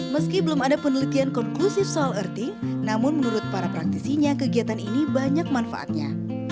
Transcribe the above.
meski belum ada penelitian konklusif soal earthing namun menurut para praktisinya kegiatan ini banyak manfaatnya